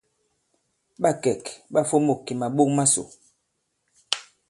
Ɓâ kɛ̀k ɓâ fomôk kì màɓok masò.